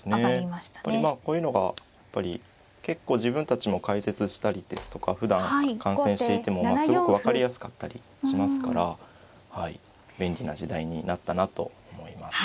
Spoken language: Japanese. まあこういうのがやっぱり結構自分たちも解説したりですとかふだん観戦していてもすごく分かりやすかったりしますから便利な時代になったなと思います。